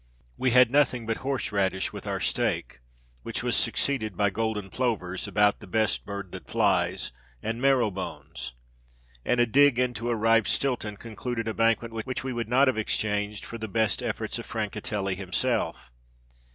We had nothing but horse radish with our steak, which was succeeded by golden plovers (about the best bird that flies) and marrow bones. And a dig into a ripe Stilton concluded a banquet which we would not have exchanged for the best efforts of Francatelli himself.